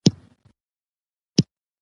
ورور سره رازونه خوندي وي.